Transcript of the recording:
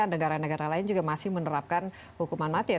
negara negara lain juga masih menerapkan hukuman mati ya